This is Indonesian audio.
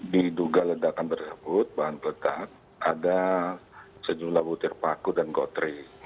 di duga ledakan tersebut bahan peledak ada sejumlah butir paku dan gotri